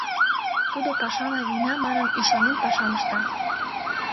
Тудо «пашана вийна» манын ӱшанен пашам ышта.